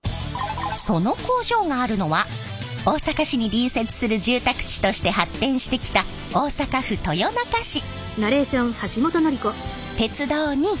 その工場があるのは大阪市に隣接する住宅地として発展してきた大阪府豊中市。